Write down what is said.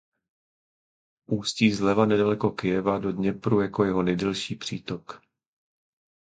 Ústí zleva nedaleko Kyjeva do Dněpru jako jeho nejdelší přítok.